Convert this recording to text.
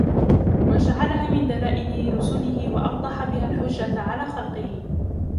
وَجَعَلَهَا مِنْ دَلَائِلِ رُسُلِهِ وَأَوْضَحَ بِهَا الْحُجَّةَ عَلَى خَلْقِهِ